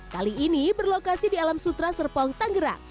kali ini berlokasi di alam sutra serpong tangerang